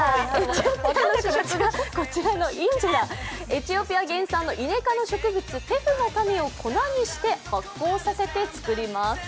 エチオピア原産のイネ科の植物、テフの種を粉にして発酵させて作ります。